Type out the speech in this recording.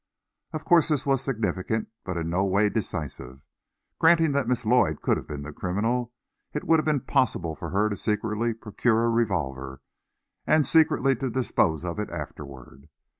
Of course, this was significant, but in no way decisive. Granting that Miss Lloyd could have been the criminal, it would have been possible for her secretly to procure a revolver, and secretly to dispose of it afterward.